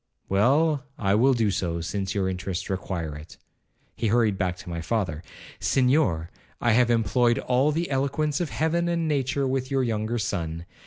'Well, I will do so, since your interests require it.' He hurried back to my father. 'Senhor, I have employed all the eloquence of heaven and nature with your younger son.